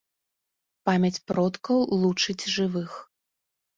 Памяць продкаў лучыць жывых.